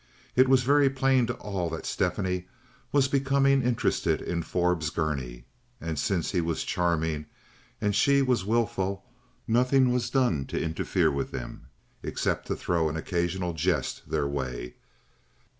It was very plain to all that Stephanie was becoming interested in Forbes Gurney; and since he was charming and she wilful, nothing was done to interfere with them, except to throw an occasional jest their way.